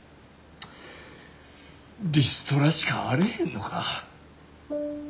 リストラしかあれへんのか。